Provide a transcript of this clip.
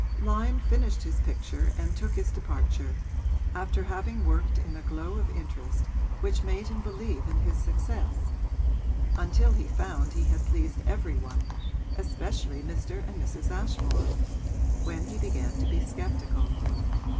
Lyon finished his picture and took his departure, after having worked in a glow of interest which made him believe in his success, until he found he had pleased every one, especially Mr. and Mrs. Ashmore, when he began to be sceptical.